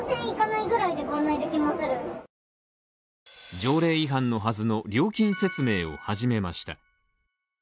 条例違反のはずの料金説明を始めました。